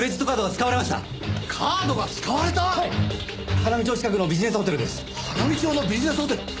花見町近くのビジネスホテルです。